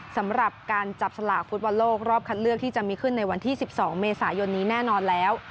สำหรับการจับสลากฟุตบอลโลกรอบคัดเลือกที่จะมีขึ้นในวันที่๑๒เมษายนนี้แน่นอนแล้ว